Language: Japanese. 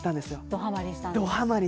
どハマりしたんですね